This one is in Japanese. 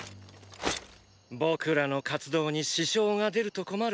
僕らの活動に支障が出ると困る。